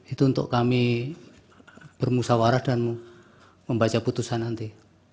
itu untuk kami bermusawarah dan membaca putusan nanti